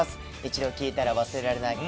一度聴いたら忘れられない